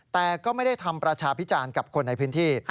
แต่ก็ไม่ได้ทำประชาพิจารณ์กับคนในพื้นที่